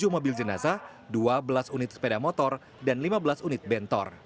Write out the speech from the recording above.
tujuh mobil jenazah dua belas unit sepeda motor dan lima belas unit bentor